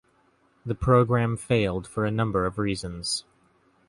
The program failed for a number of reasons.